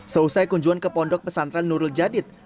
selesai kunjuan ke pondok pesantren nurul jadid